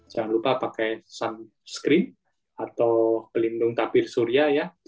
jangan lupa pakai sunscreen atau pelindung tapir surya ya